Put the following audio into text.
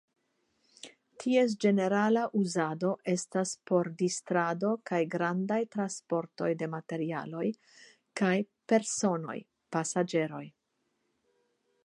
Ties ĝenerala uzado estas por distrado kaj grandaj transportoj de materialoj kaj personoj (pasaĝeroj).